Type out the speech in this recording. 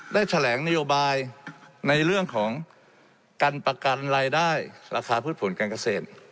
แถลงนโยบายในเรื่องของการประกันรายได้ราคาพืชผลการเกษตร